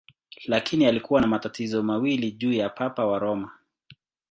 Lakini alikuwa na matatizo mawili juu ya Papa wa Roma.